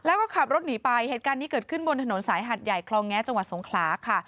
แล้วก็ขับรถหนีไปเหตุการณ์นี้เกิดขึ้นบนถนนสายหัดใหญ่คลองแงะจังหวัดสงขลาค่ะ